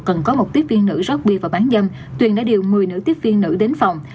cần có một tiếp viên nữ rót bia và bán dâm tuyền đã điều một mươi nữ tiếp viên nữ đến phòng